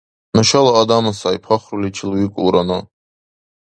— Нушала адам сай! — пахруличил викӀулра ну.